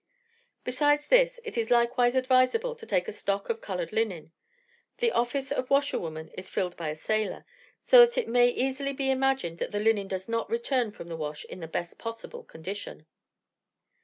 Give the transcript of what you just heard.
Besides this, it is likewise advisable to take a stock of coloured linen. The office of washerwoman is filled by a sailor, so that it may easily be imagined that the linen does not return from the wash in the best possible condition.